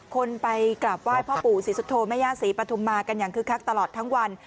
คนไปกราบไหว้พ่อปู่ศรีสุโธแม่ย่าศรีปฐุมมากันอย่างคึกคักตลอดทั้งวัน